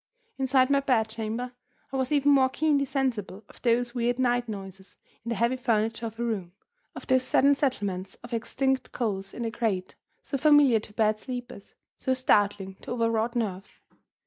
Inside my bed chamber, I was even more keenly sensible of those weird night noises in the heavy furniture of a room, of those sudden settlements of extinct coals in the grate, so familiar to bad sleepers, so startling to overwrought nerves!